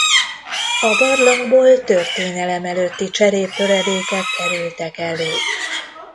A barlangból történelem előtti cseréptöredékek kerültek elő.